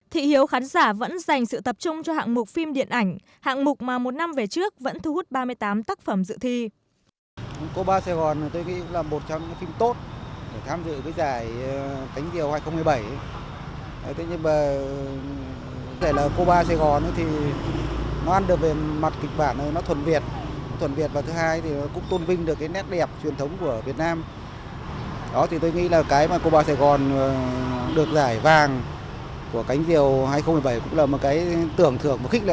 thị hiếu khán giả vẫn dành sự tập trung cho hạng mục phim điện ảnh hạng mục mà một năm về trước vẫn thu hút ba mươi tám tác phẩm dự thi